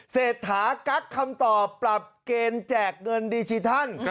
เศรษฐากั๊กคำตอบปรับเกณฑ์แจกเงินดิจิทัล